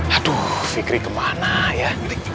aduh fikri kemana ya